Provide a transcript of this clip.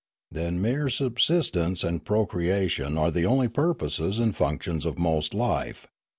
Then mere subsistence and procreation are the only purposes and functions of most life.